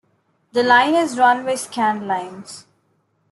The line is run by Scandlines.